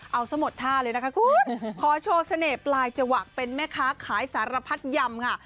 เอาซะหมดท่าเลยนะคะคุณขอโชว์เสน่ห์ปลายจวักเป็นแม่ค้าขายสารพัดยำค่ะ